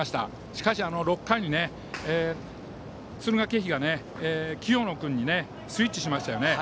しかし、６回に敦賀気比が清野君にスイッチしましたよね。